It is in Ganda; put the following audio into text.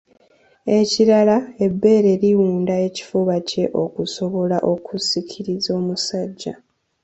Ekirala ebbeere liwunda ekifuba kye okusobola okusikiriza omusajja.